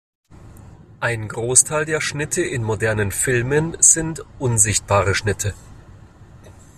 Ein Großteil der Schnitte in modernen Filmen sind Unsichtbare Schnitte.